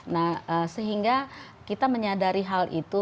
nah sehingga kita menyadari hal itu